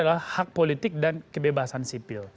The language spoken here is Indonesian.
adalah hak politik dan kebebasan sipil